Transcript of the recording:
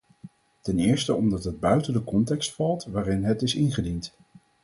Ten eerste omdat het buiten de context valt waarin het is ingediend.